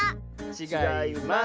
ちがいます。